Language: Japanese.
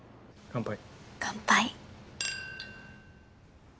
乾杯。